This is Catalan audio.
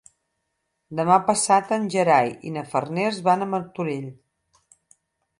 Demà passat en Gerai i na Farners van a Martorell.